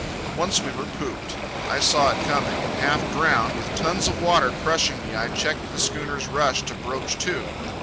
Once we were pooped. I saw it coming, and, half drowned, with tons of water crushing me, I checked the schooner's rush to broach to.